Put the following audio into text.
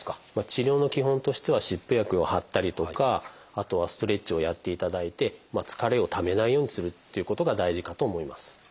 治療の基本としては湿布薬を貼ったりとかあとはストレッチをやっていただいて疲れをためないようにするっていうことが大事かと思います。